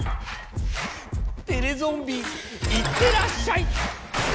テレゾンビいってらっしゃい！